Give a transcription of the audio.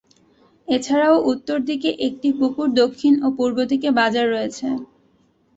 এছাড়াও উত্তর দিকে একটি পুকুর, দক্ষিণ ও পূর্ব দিকে বাজার রয়েছে।